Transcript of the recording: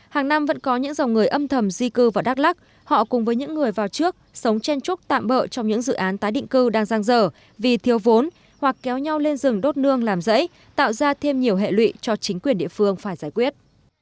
hàng năm vẫn có những dòng người âm thầm di cư vào đắk lắc họ cùng với những người vào trước sống chen trúc tạm bỡ trong những dự án tái định cư đang giang dở vì thiếu vốn hoặc kéo nhau lên rừng đốt nương làm rẫy tạo ra thêm nhiều hệ lụy cho chính quyền địa phương phải giải quyết